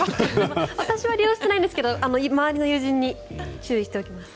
私は利用してないんですが周りの友人に注意しておきます。